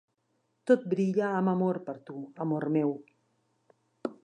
Tot brilla amb amor per tu, amor meu.